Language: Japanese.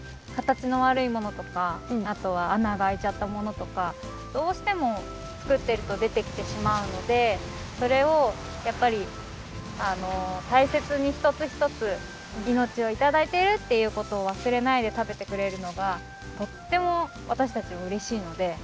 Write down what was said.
形のわるいものとかあとはあながあいちゃったものとかどうしてもつくっているとでてきてしまうのでそれをやっぱりたいせつにひとつひとついのちをいただいているっていうことをわすれないでたべてくれるのがとってもわたしたちはうれしいので。